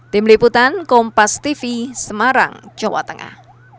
tim liputan kompas tv semarang jawa tengah